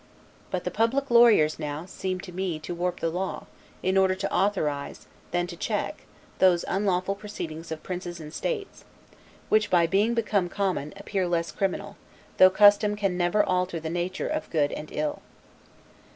But the public lawyers, now, seem to me rather to warp the law, in order to authorize, than to check, those unlawful proceedings of princes and states; which, by being become common, appear less criminal, though custom can never alter the nature of good and ill.